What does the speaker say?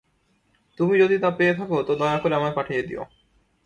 তুমি যদি তা পেয়ে থাক তো দয়া করে আমায় পাঠিয়ে দিও।